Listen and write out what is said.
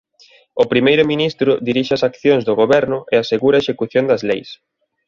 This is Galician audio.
O primeiro ministro dirixe as accións do goberno e asegura a execución das leis.